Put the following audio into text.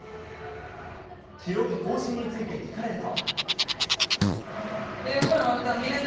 記録更新について聞かれると。